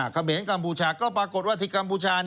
เขมรกัมพูชาก็ปรากฏว่าที่กัมพูชา